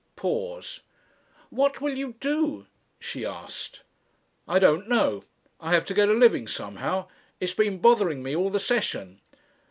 Pause. "What will you do?" she asked. "I don't know. I have to get a living somehow. It's been bothering me all the session."